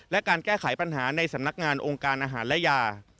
และการแก้ไขปัญหาในสำนักงานองค์การอาหารและยา